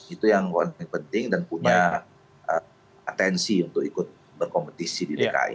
itu yang paling penting dan punya atensi untuk ikut berkompetisi di dki